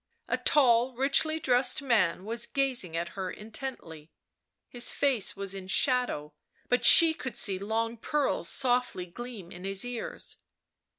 A tall richly dressed man was gazing at her intently; his face was in shadow, but she could see long pearls softly gleam in his ears.